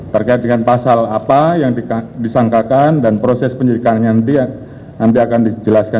terkait dengan pasal apa yang disangkakan dan proses penyidikannya nanti akan dijelaskan